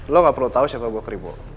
lu ga perlu tau siapa gua keribo